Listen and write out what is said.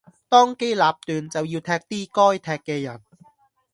當機立斷就要踢啲該踢嘅人